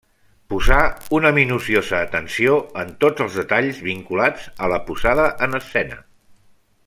Posà una minuciosa atenció en tots els detalls vinculats a la posada en escena.